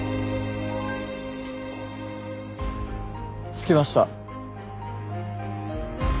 着きました。